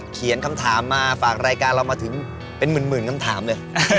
เขียนคำถามมาฝากรายการเรามาถึงเป็นหมื่นคำถามเลย